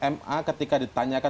ma ketika ditanyakan